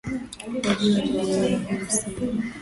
wajua ligi mara hii msimu